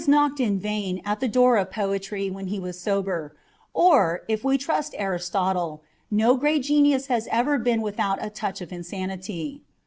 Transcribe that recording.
287 knocked in vain at the door of poetry when he was sober ; or, if we trust Aristotle, no great genius has ever been without a touch of insanity.